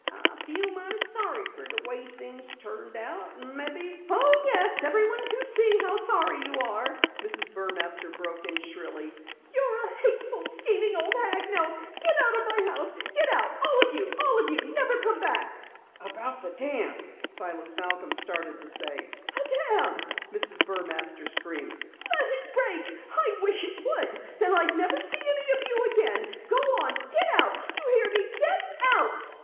"I feel mighty sorry fer the way things turned out. Maybe " "Oh, yes, everyone can see that you're sorry!" Mrs. Burmaster broke in shrilly. "You're a hateful, scheming old hag. Now get out of my house! Get out all of you and never come back!" "About the dam " Silas Malcom started to say. "The dam!" Mrs. Burmaster screamed. "Let it break! I wish it would! Then I'd never see any of you again! Go on get out! Do you hear me? Get out!"